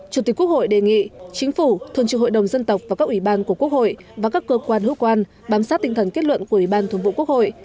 chủ tịch quốc hội đề nghị chính phủ thuần trưởng hội đồng dân tộc và các ủy ban của quốc hội và các cơ quan hữu quan bám sát tinh thần kết luận của ủy ban thường vụ quốc hội